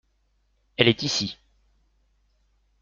Elle est ici.